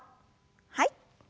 はい。